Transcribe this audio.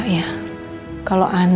saya sudah menang